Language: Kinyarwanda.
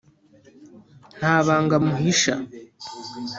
nta banga amuhisha